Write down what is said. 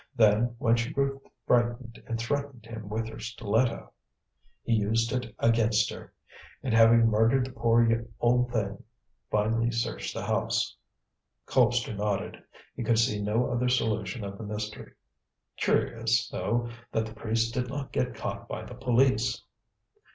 Then, when she grew frightened, and threatened him with her stiletto, he used it against her, and having murdered the poor old thing, finally searched the house." Colpster nodded. He could see no other solution of the mystery. "Curious, though, that the priest did not get caught by the police."